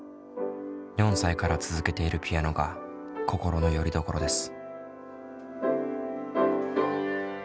４歳から続けているピアノが心のよりどころです。